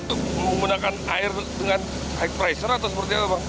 untuk menggunakan air dengan high pressure atau seperti apa bang